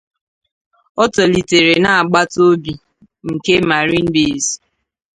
Ọ tolitere na agbata obi nke Marine Base.